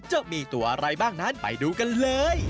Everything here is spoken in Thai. จะมีตัวอะไรบ้างนั้นไปดูกันเลย